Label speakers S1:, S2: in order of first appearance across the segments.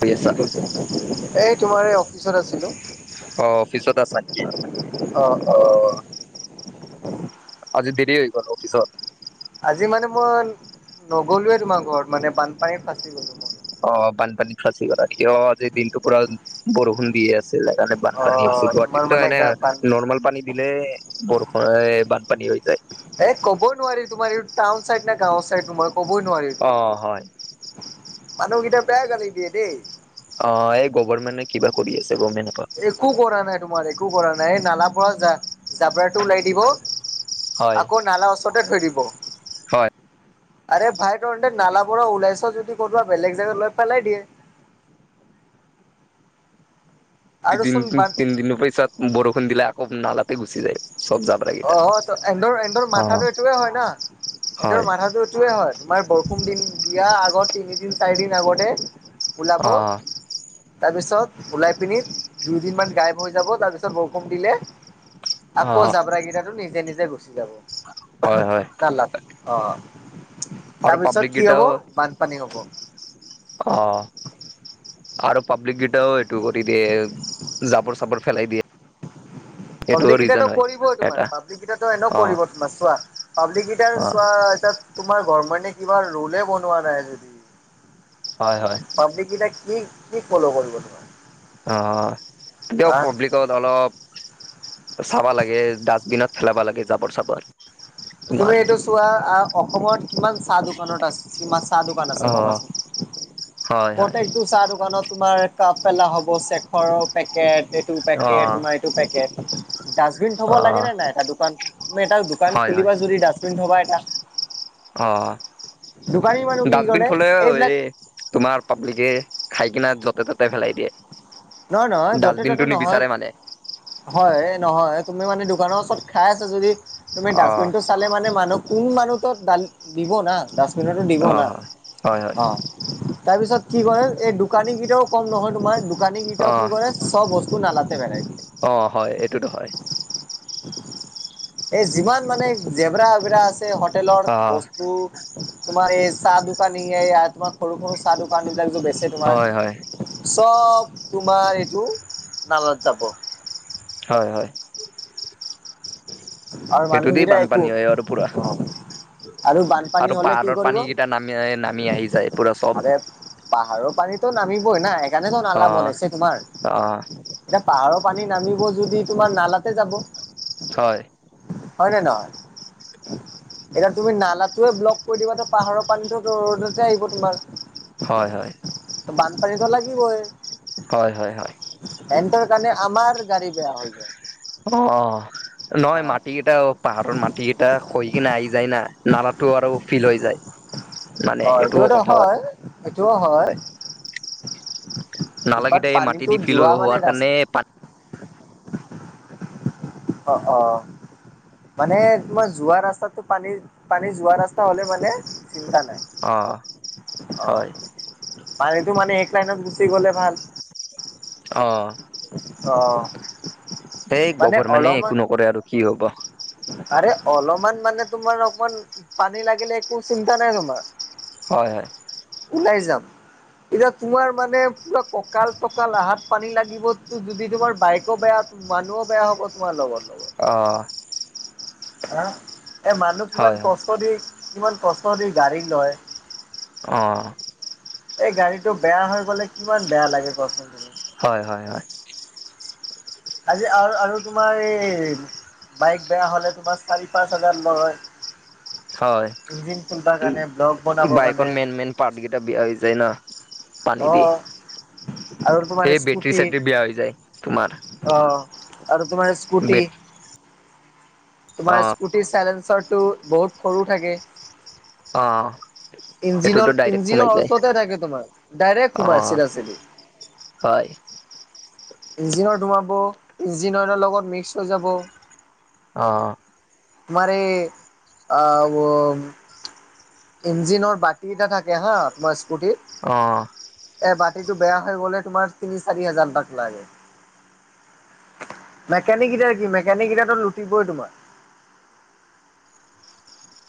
S1: কৰি আছা?
S2: এই তোমাৰ এই অফিচত আছিলো।
S1: অ অফিচত আছা নেকি অ। আজি দেৰি হৈ গ'ল অফিচত?
S2: আজি মানে মই নগলোয়ে তোমাৰ ঘৰত মানে বানপানী ফাঁচি গলো। মই
S1: অ বানপানীত ফচি গলা কিয় আজি দিনটো পুৰা বৰষুণ দিয়ে আছে। ছিলে সেইকাৰণে
S2: অ
S1: বানপানী হৈছে।
S2: তোমাৰ
S1: গুৱাহাটীতো
S2: মানে
S1: এনে
S2: গা বান
S1: নৰ্মেল পানী দিলে বৰষুণে বানপানী হৈ যায়।
S2: এ ক'বই নোৱাৰি তোমাৰ এইটো টাউন চাইড নে গাঁও চাইড মই ক'বই নোৱাৰি এইটো।
S1: অ হয়
S2: মান গিটা বেয়া গলি দিয়ে দেই।
S1: অ এই গভৰ্মেণ্টে কিবা কৰি আছে গমে নেপাওঁ।
S2: একো কৰা নাই তোমাৰ একো কৰা নাই নালা পৰা জাবৰাটো ওলাই দিব,
S1: হয়
S2: আকৌ নালা ওচৰতে থৈ দিব।
S1: হয়
S2: আৰে ভাই তহঁতে নালা পৰা ওলাইছ যদি কৰবা বেলেগ জেগাত লৈ পেলাই দিয়ে।
S1: দুই
S2: আৰু
S1: দিন
S2: চোন বান
S1: তিনিদিনৰ পিছত বৰষুণ দিলে আকৌ নালাতে গুচি যায় চব জাব
S2: অ ত এন্ধৰ এন্ধৰ মাথাটো এইটোৱে হয় না এন্ধৰ
S1: হয়
S2: মাথাটো এইটোয়ে হয় তোমাৰ বৰ ষূণ দিন বিয়া আগৰ তিনিদিন চাৰি দিন আগতে ওলাব,
S1: অ
S2: তাৰপিছত ওলাই পিনি দুইদিনমান গাইব হৈ যাব তাৰপিছত বৰষুণ দিলে
S1: অ
S2: আকৌ জাব্ৰা কেইটা নিজে নিজে গুচি যাব
S1: হয় হয়
S2: নালাত। অ
S1: আৰু পাব্লিক
S2: তাৰপিছত কি হব
S1: কেইটাও
S2: বানপানী হব।
S1: অ আৰু পাব্লিক কেইটাও এইটো কৰি দিয়ে জাবৰ চাবৰ ফেলাই দিয়ে। এইটোও
S2: পাব্লিক
S1: ৰিজন
S2: কেইটাতো
S1: হয়
S2: কৰিবই তোমাৰ
S1: এটা
S2: পাব্লিক কিতাতো এনে
S1: অ
S2: কৰিব তোমাৰ চোৱা। পাব্লিকিটাৰ
S1: অ
S2: চোৱা এতিয়া তোমাৰ গভমেন্টে কিবা ৰোলে বনোৱা নাই যদি।
S1: হয় হয়।
S2: পাব্লিকটা কিতাই কি ফল' কৰিব তোমাৰ।
S1: অ দিয়ক
S2: হা
S1: পাব্লিক ত অলপ চাবা লাগে ডাষ্টবিনত পেলাব লাগে জাবৰ চাবৰ।
S2: তুমি
S1: তোমাৰ
S2: এইটো চোৱা আহ অসমত কিমান চাহ দোকানত আছে। চিমা চাহ দোকান আছে
S1: অ
S2: ভাবাচোন
S1: হয় হয়
S2: [unintelligible] টো চাহ দোকানত তোমাৰ কাপ পেলা হ'ব চেখৰৰ পেকেট এইটো
S1: অ
S2: পেকেট তোমাৰ এইটো পেকেট। ডাষ্টবিন থব
S1: অ
S2: লাগে নে নাই এটা দোকান তুমি এটা দোকান
S1: হয় হয়
S2: খুলিবা যদি ডাষ্টবিন থবা এটা।
S1: অ
S2: দোকানী মানুহ কি
S1: ডাষ্টবিন
S2: কৰে
S1: থলে
S2: এইবিলাক
S1: এই তোমাৰ পাব্লিকে খাই কিনা য'তে ততে পেলাই দিয়ে।
S2: নহয় নহয় য'তে
S1: ডাষ্টবিনটো
S2: ত'তে নহয়
S1: নিবিচাৰে মানে
S2: হয় নহয় তুমি মানে দোকানৰ ওচৰত খাই আছা যদি তুমি
S1: অ
S2: ডাষ্টবিন টো চালে মানে মানুহ কোন মানুহ ত' দাল দিব না, ডাচবিন'তো দিব
S1: অ
S2: না,
S1: হয় হয় হয়
S2: অ। তাৰ পিছত কি কৰে এই দোকানী কেইটাও কম নহয় তোমাৰ দোকানী কেইটাও কি কৰে চব বস্তু নালাতে [unintelligible]
S1: অঁ হয়, এইটোতো হয়।
S2: এই যিমান মানে জেবৰা-এবেৰা আছে হোটেলৰ
S1: অ
S2: বস্ তু তোমাৰ এই চাহ দোকানীয়ে এ তোমাৰ সৰু সৰু চাহ দোকানী বিলাক বেচে তোমাৰ
S1: হয় হয়
S2: চব তোমাৰ এইটো নালাত যাব।
S1: হয় হয়।
S2: আৰু
S1: সেইটো দি
S2: মানুহগেইটা একো
S1: বানপানী হয় আৰু পুৰা
S2: [unintelligible] আৰু বানপানী
S1: আৰু
S2: হ'লে কি
S1: পাহাৰৰ
S2: কৰিব?
S1: পানী কেইটা নামি নামি আহি যায় পুৰা চব
S2: [unintelligible] পাহাৰৰ পানীতো নামিবই না সেইকাৰণেতো
S1: অ
S2: নালা বনাইছে তোমাৰ।
S1: অ
S2: এতিয়া পাহাৰৰ পানী নামিব যদি তোমাৰ নালাতে যাব।
S1: হয়।
S2: হয় নে নহয়? এতিয়া তুমি নালাটোয়ে ব্লক কৰি দিবা ত' পাহাৰৰ পানীতো ৰদতে আহিব তোমাৰ।
S1: হয় হয়।
S2: ত' বানপানীত' লাগিবই।
S1: হয় হয় হয়।
S2: এন্টৰ কাৰণে আমাৰ গাড়ী বেয়া হৈ যায়।
S1: অ-অ নহয়
S2: অ',
S1: মাটি কেইটাও পাহাৰৰ মাটি কেইটা সহি কিনে আহি যায় না, নালাটো আৰু ফিল হৈ যায়। মানে
S2: অ
S1: এইটোও
S2: এইটোতো
S1: কথা
S2: হয়, এইটোও হয়। বাত
S1: নালাকেইটা এই মাটি
S2: পানীটো
S1: দি ফিল
S2: যোৱা মানে
S1: হোৱাৰ
S2: ৰাস্
S1: কাৰণে পানী
S2: অ, অ। মানে তোমাৰ যোৱা ৰাস্তাটো পানীৰ পানী যোৱা ৰাস্তা হলে মানে চিন্তা নাই,
S1: অ
S2: অ
S1: হয়
S2: পানীটো মানে এক লাইনত গুচি গ'লে ভাল।
S1: অ,
S2: অ',
S1: এই
S2: মানে
S1: গভৰমেনে
S2: অলপমান
S1: একো নকৰে আৰু কি হ'ব?
S2: আৰে অলমান মানে তোমাৰ অকন পানী লাগিলে একো চিন্তা নাই তোমাৰ।
S1: হয়-হয়।
S2: ওলাই যাম। এতিয়া তোমাৰ মানে পুৰা কঁকাল-চকাল আহাত পানী লাগিব ত' যদি তোমাৰ বাইকো বেয়া মানুহো বেয়া হব তোমাৰ লগৰ লগত।
S1: অঁ।
S2: হা, এ মানুহ কিমান
S1: হয় হয়
S2: কষ্ট দি কিমান কষ্ট দি গাড়ী লয়।
S1: অ।
S2: এই গাড়ীটো বেয়া হৈ গ'লে কিমান বেয়া লাগে কচোন।
S1: হয় হয় হয়।
S2: আজি আৰু আৰু তোমাৰ এই বাইক বেয়া হ'লে তোমাৰ চাৰি-পাঁচ হাজাৰ লয়।
S1: হয়,
S2: ইঞ্জিন খুলিবৰ কাৰণে ব্লক
S1: উম
S2: বনাবৰ কাৰণে
S1: বাইকৰ মেইন-মেইন পাৰ্ট কেইটা বিয়া হৈ যায় না। পানী
S2: অ
S1: দি এ
S2: আৰু তোমাৰ
S1: বেটৰী
S2: স্কুটি
S1: -চেটৰী বেয়া হৈ যায় তোমাৰ।
S2: অ, আৰু তোমাৰ স্কুটি।
S1: বেট অ
S2: তোমাৰ স্কুটিৰ চাইলেঞ্চাৰটো বহুত সৰু থাকে।
S1: অ',
S2: ইঞ্জিনৰ
S1: সেইটোতো ডাইৰেক্ট সোমাই
S2: -ইঞ্জিনৰ
S1: যায়
S2: অচৰতে থাকে তোমাৰ ডাইৰেক্ট
S1: অ
S2: সোমাই চিধা -চিধি।।
S1: হয়।
S2: ইঞ্জিনত সোমাব ইঞ্জিন অইলৰ লগত মিক্স হৈ যাব।
S1: অ।
S2: তোমাৰ এ আ ৱ ইঞ্জিনৰ বাতি এটা থাকে হা তোমাৰ স্কুটিত
S1: অ',
S2: এ বাতিটো বেয়া হৈ গ'লে তোমাৰ তিনি, চাৰি হাজাৰটাক লাগে। মেকনিক কেইটাৰ কি মেকনিক কেইটাটো লুটিবই তোমাৰ।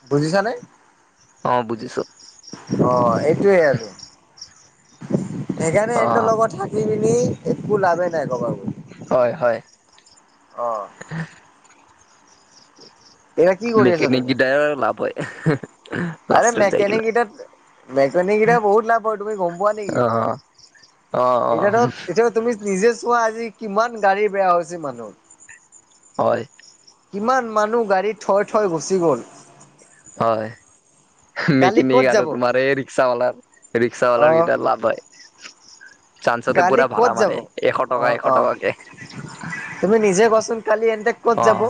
S2: বুজিছা নে?
S1: অ, বুজিছোঁ।
S2: অ, এইটোৱে আৰু সেইকাৰণে
S1: অ
S2: এন্তৰ লগত থাক ই মিনি একো লাভেই নাই ক'বা [unintelligible]
S1: হয়- হয়।
S2: অ',
S1: [inaudible]
S2: এতিয়া কি
S1: [inaudible]
S2: কৰি আছা
S1: মেকানিকি
S2: তুমি
S1: গিডাৰৰ লাভ হয় লাষ্টত যায় কি নে।
S2: মেকেনিক কেইটা বহুত লাফ হয় তুমি গম পোৱা নেকি?
S1: অ অ',
S2: এতিয়া
S1: অ',
S2: ধৰ এতিয়া তুমি নিজে চোৱা আজি কিমান গাড়ী বেয়া হৈছে মানুহ
S1: হয়।
S2: কিমান মানুহ গাড়ী থৈ -থৈ গুচি গ'ল।
S1: হয়
S2: কালি ক'ত
S1: মেকিনিক আৰু
S2: যাব
S1: তোমাৰ এই ৰিক্সাৱলাৰ। ৰিক্সাৱালাৰ
S2: অ'।
S1: কেইটাৰ লাভ হয়। চান্সতে
S2: কালি
S1: পুৰা
S2: ক'ত
S1: ভাড়া
S2: যাব?
S1: মাৰে এশ টকা-
S2: অ',
S1: এশ
S2: অ',
S1: টকাকে।
S2: তুমি নিজে কোৱাচোন কালি এন্তে ক'ত
S1: অ
S2: যাব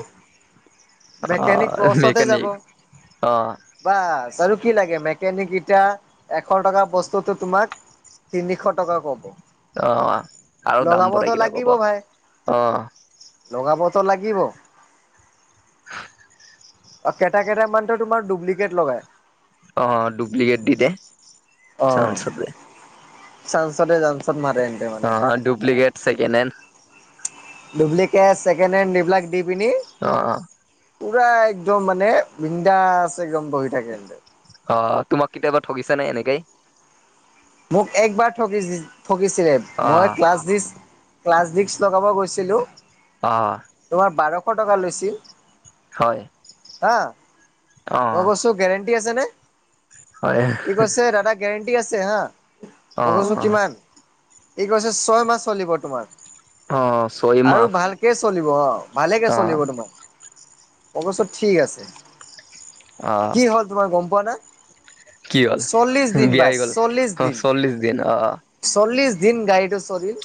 S1: অ
S2: মেকেনিক প্ৰচতে যাব।
S1: মেকানিক অ
S2: বাচ আৰু কি লাগে মেকানিক এতিয়া এশ টকাৰ বস্তুটো তোমাক তিনিশ টকা ক'ব।
S1: অ, আৰু দাম বঢ়ায়
S2: লগাবতো
S1: কিনে ক'ব
S2: লাগিব ভাই
S1: অহ।
S2: লগাবতো লাগিব।
S1: [inaudible]
S2: অ, কেটা -কেটামান টো তোমাৰ দুপ্লিকেট লগাই।
S1: অ, দুপ্লিকেট দি দে।
S2: অ,
S1: চানঞ্চতে
S2: চাঞ্চতে জানঞ্চত মাৰে।
S1: অ,
S2: মানে।
S1: Duplicate second hand.
S2: Duplicate second hand এইবিলাক দি পিনি
S1: অ', অ',
S2: পুৰা একদম মানে বিন্দাছ একদম বহি থাকে এন্তে।
S1: অ, তোমাক কেতিয়াবা ঠগিছে নে এনেকেই?
S2: মোক একবাৰ ঠগিছি- ঠগিছিলে
S1: অ
S2: মই ক্লাছ দিচ ক্লাছ ডিক্স লগাব গৈছিলোঁ
S1: অ',
S2: তোমাৰ বাৰশ টকা লৈছিল
S1: হয়
S2: হা
S1: অ
S2: মই কৈছো গেৰেণ্টি আছে নে
S1: হয়
S2: কি ই কৈছে দাদা গেৰেণ্টি আছে হা।
S1: অ
S2: মই কৈছো
S1: অ
S2: কিমান ই কৈছে ছয় মাহ চলিব তোমাৰ।
S1: অ, ছয়মাহ।
S2: তাকে চলিব অ ভালেকে চলিব তোমাক মই কৈছো ঠিক আছে।
S1: আহ,
S2: কি তোমাৰ গম পোৱা না চল্লিশ দিন বাচ চল্লিশ,
S1: চল্লিছ দিন অ', অ',
S2: চল্লিছ দিন গাড়ীটো চলিল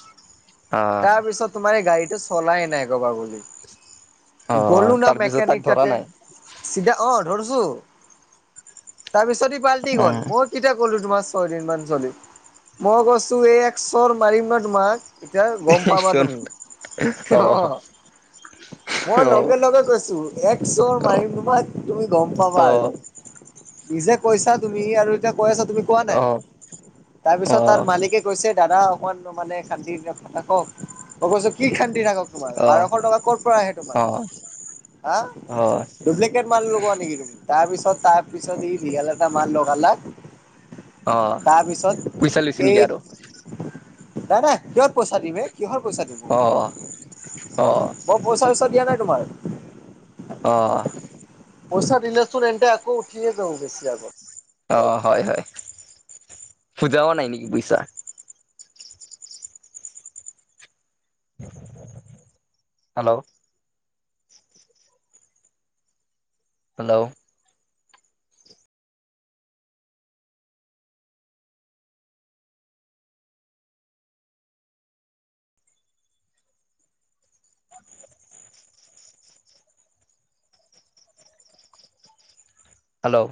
S1: অ
S2: তাৰপিছত তোমাৰ এই গাড়ীটো চলাই নাই গবা বুলি
S1: অ
S2: এই গলো না
S1: তাৰ পিছত তাক
S2: মেকানিক
S1: ধৰা
S2: তাতে
S1: নাই
S2: চিধা অ ধৰিছো তাৰপিছত ই পাল্টি
S1: অ
S2: গল মই, কেতিয়া ক'লো তোমাৰ ছয়দিন মান চলি মই কৈছো এই এক চৰ মাৰিম ন তোমাক। এতিয়া গম পাবা
S1: একচোন
S2: তুমি
S1: অ
S2: অহ মই
S1: অ
S2: লগে লগে কৈছো এক চৰ মাৰিম তোমাক তুমি গম পাবা
S1: অ অ
S2: আৰু নিজে কৈছা তুমি আৰু এতিয়া কৈ আছা তুমি।
S1: অ,
S2: তাৰিছত তাৰ মা লিকে কৈছে দাদা অকমান ন মানে খান্দি থাকক মই কৈছো কি খান্দি থাকক। তোমাৰ
S1: অ
S2: বাৰশ টকা ক'ৰ পৰা আহে তোমাৰ
S1: অ
S2: হা,
S1: অ
S2: ডুপ্লিকেট মাল লগোৱা নেকি তাৰ পিছত তাৰ পিছত সি ৰিয়েল এটা মাল লগালে।
S1: অ পইচা
S2: তাৰপিছত
S1: লৈছে নেকি
S2: এই,
S1: আৰু
S2: নাই নাই কিহত পইচা দিম হে কিহৰ পইচা
S1: অ অ
S2: দিম। বৰ পইচা চইচা দিয়া নাই তোমাৰ,
S1: অহ,
S2: পইচা দিলেচোন এন্তে আকৌ উঠিয়ে দওঁ বেছি আগত।
S1: অ হয় হয় খুজাও নাই নেকি পইছা। Hello, hello, hello,